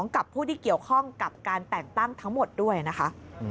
กับผู้ที่เกี่ยวข้องกับการแต่งตั้งทั้งหมดด้วยนะคะ